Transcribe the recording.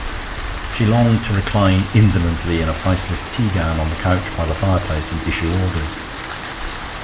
She longed to recline indolently in a priceless tea gown on the couch by the fireplace and issue orders....